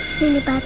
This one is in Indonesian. ini batalin ya pak